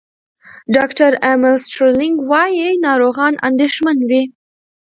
ډاکټر امل سټرلینګ وايي، ناروغان اندېښمن وي.